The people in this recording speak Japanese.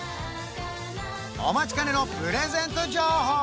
お待ちかねのプレゼント情報